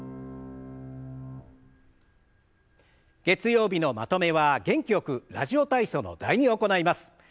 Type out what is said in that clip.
月曜日のまとめは元気よく「ラジオ体操」の「第２」を行います。